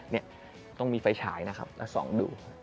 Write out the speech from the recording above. นี่ต้องมีไฟฉายนะครับแล้วส่องดู